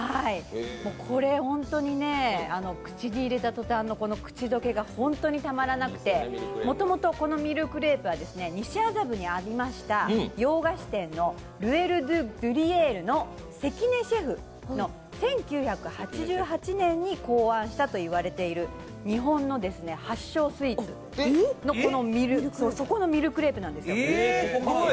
ホントに口に入れた途端の口溶けがたまらなくてもともとこのミルクレープは西麻布にありました洋菓子店のルエル・ドゥ・ドゥリエールの関根シェフの１９８８年に考案したと言われている日本の発祥スイーツ、そこのミルクレープなんですよ。